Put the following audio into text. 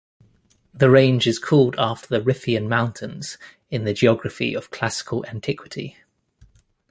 The range is called after the Riphean Mountains in the geography of classical antiquity.